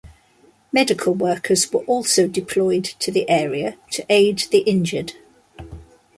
Medical workers were also deployed to the area to aid the injured.